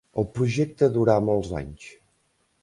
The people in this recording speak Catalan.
El projecte durà molts anys.